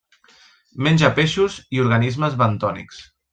Menja peixos i organismes bentònics.